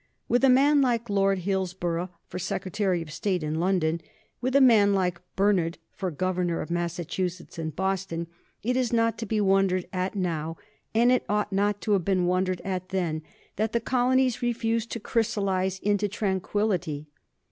With a man like Lord Hillsborough for Secretary of State in London, with a man like Bernard for Governor of Massachusetts in Boston, it is not to be wondered at now, and it ought not to have been wondered at then, that the colonies refused to crystallize into tranquillity.